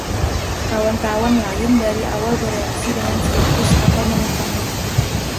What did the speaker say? Kawan-kawan lain dari awal bereaksi dengan skeptis atau menentangnya.